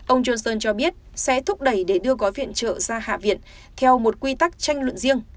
ông johnson cho biết sẽ thúc đẩy để đưa gói viện trợ ra hạ viện theo một quy tắc tranh luận riêng